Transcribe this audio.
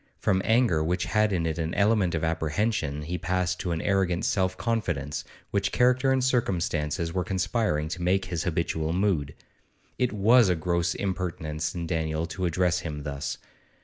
From anger which had in it an element of apprehension he passed to an arrogant self confidence which character and circumstances were conspiring to make his habitual mood. It was a gross impertinence in Daniel to address him thus.